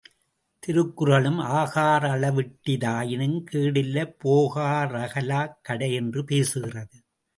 திருக்குறளும், ஆகா றளவிட்டி தாயினும் கேடில்லை போகா றகலாக் கடை என்று பேசுகிறது!